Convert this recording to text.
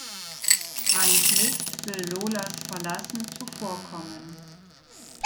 Franz Liszt will Lolas Verlassen zuvorkommen.